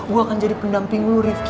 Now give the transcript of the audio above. gue akan jadi pendamping lo rifki